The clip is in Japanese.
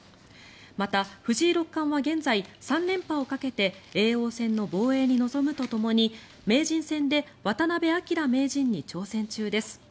また、藤井六冠は現在３連覇をかけて叡王戦の防衛に臨むとともに名人戦で渡辺明名人に挑戦中です。